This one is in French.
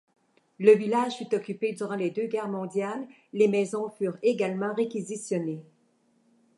Le village fut occupé durant les deux guerres mondiales, les maisons furent également réquisitionnées.